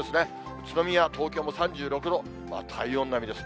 宇都宮、東京も３６度、体温並みです。